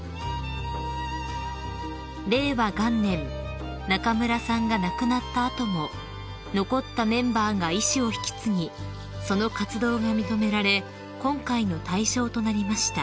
［令和元年中村さんが亡くなった後も残ったメンバーが遺志を引き継ぎその活動が認められ今回の大賞となりました］